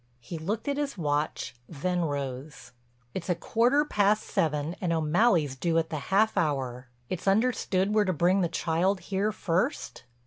He looked at his watch, then rose. "It's a quarter past seven and O'Malley's due at the half hour. It's understood we're to bring the child here first?"